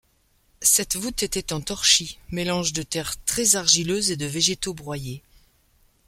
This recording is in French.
Cette voûte était en torchis, mélange de terre très argileuse et de végétaux broyés.